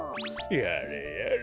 やれやれ。